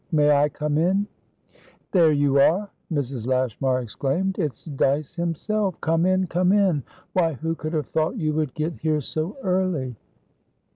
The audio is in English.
"May I come in?" "There you are!" Mrs. Lashmar exclaimed. "It's Dyce himself. Come in! Come in! Why, who could have thought you would get here so early!"